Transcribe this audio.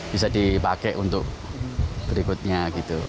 bisa dipakai untuk berikutnya gitu